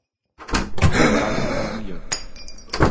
Cal será o mellor?